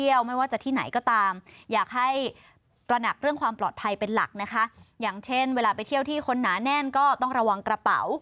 อย่างเช่นเวลาไปเที่ยวที่คนหนาแน่นก็ต้องระวังกระเป๋า